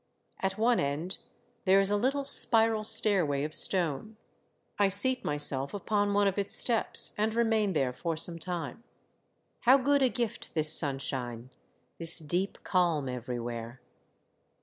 At one end there is a little spiral stairway of stone. I seat myself upon one of its steps, and remain there for some time. How good a gift this sunshine, this deep calm every where